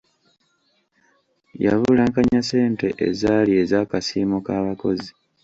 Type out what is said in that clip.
Yabulankanya ssente ezaali ez'akasiimo k'abakozi.